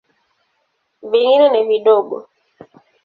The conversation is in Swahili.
Vingine ni vidogo.